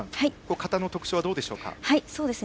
形の特徴はどうでしょうか？